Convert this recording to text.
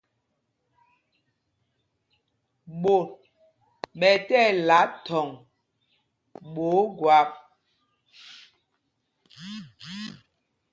Ɓot ɓɛ tí ɛla thɔŋ ɓɛ Ogwap.